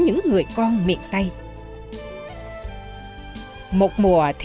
nhưng nghĩa tình người miền tây đi đâu vẫn vậy